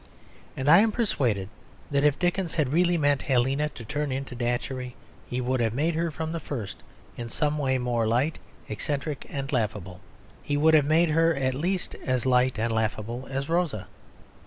And I am persuaded that if Dickens had really meant Helena to turn into Datchery, he would have made her from the first in some way more light, eccentric, and laughable; he would have made her at least as light and laughable as Rosa.